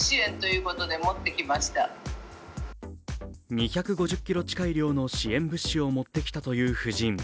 ２５０ｋｇ近い量の支援物資を持ってきたという夫人。